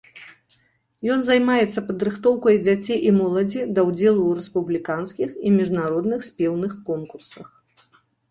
Ён займаецца падрыхтоўкай дзяцей і моладзі да ўдзелу ў рэспубліканскіх і міжнародных спеўных конкурсах.